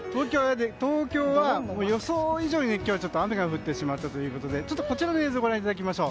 東京は予想以上に今日は雨が降ってしまったということでこちらの映像をご覧いただきます。